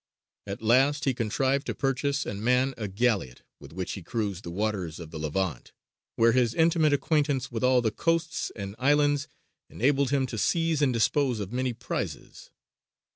At last he contrived to purchase and man a galleot, with which he cruised the waters of the Levant, where his intimate acquaintance with all the coasts and islands enabled him to seize and dispose of many prizes.